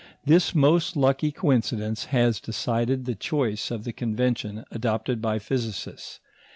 This most lucky coincidence has decided the choice of the convention adopted by physicists.